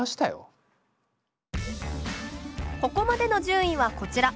ここまでの順位はこちら。